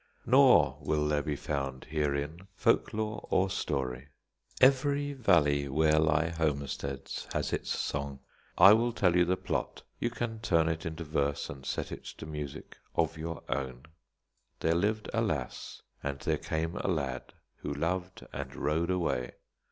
Nor will there be found herein folk lore or story. Every valley where lie homesteads has its song. I will tell you the plot; you can turn it into verse and set it to music of your own. There lived a lass, and there came a lad, who loved and rode away.